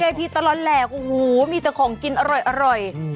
ทีตลอดแหลกโอ้โหมีแต่ของกินอร่อย